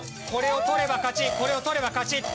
これを取れば勝ちこれを取れば勝ち。